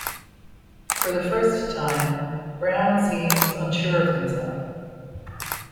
For the first time, Browne seems unsure of himself.